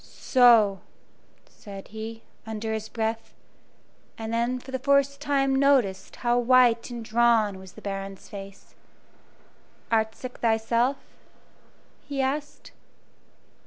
"So!" said he, under his breath, and then for the first time noticed how white and drawn was the Baron's face. "Art sick thyself?" he asked.